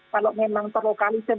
kalau memang terlokalisir